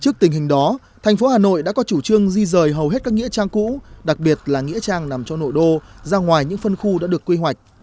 trước tình hình đó thành phố hà nội đã có chủ trương di rời hầu hết các nghĩa trang cũ đặc biệt là nghĩa trang nằm trong nội đô ra ngoài những phân khu đã được quy hoạch